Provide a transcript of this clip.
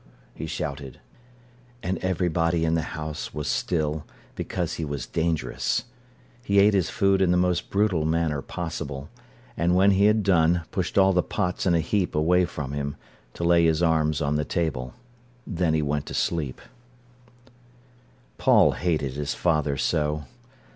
he shouted. And everybody in the house was still, because he was dangerous. He ate his food in the most brutal manner possible, and, when he had done, pushed all the pots in a heap away from him, to lay his arms on the table. Then he went to sleep. Paul hated his father so.